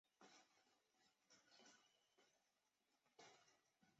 国际癌症研究机构将萘氮芥列为人类致癌物。